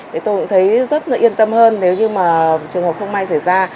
tôi cũng thấy rất yên tâm hơn nếu như trường hợp không may xảy ra